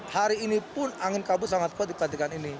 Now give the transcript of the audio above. hari ini pun angin kabut sangat kuat di pelantikan ini